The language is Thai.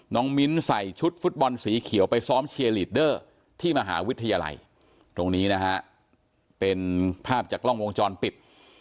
มิ้นท์ใส่ชุดฟุตบอลสีเขียวไปซ้อมเชียร์ลีดเดอร์ที่มหาวิทยาลัยตรงนี้นะฮะเป็นภาพจากกล้องวงจรปิด